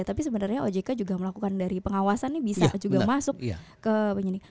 tapi sebenarnya ojk juga melakukan dari pengawasan bisa masuk ke penyidikan